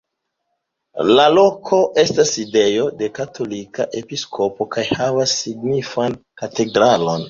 La loko estas sidejo de katolika episkopo kaj havas signifan katedralon.